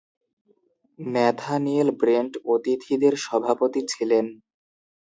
Nathaniel Brent অতিথিদের সভাপতি ছিলেন।